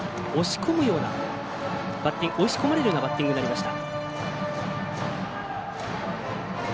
押し込まれるようなバッティングになりました。